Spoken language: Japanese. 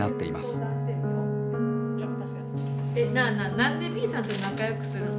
なあなあ何でＢさんと仲良くするん？